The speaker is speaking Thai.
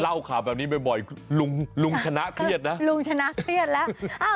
เล่าขากาอีกแบบนี้บ่อยลุงชนะเครียดนะ